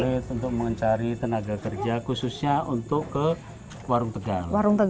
sulit untuk mencari tenaga kerja khususnya untuk ke warung tegal warung dan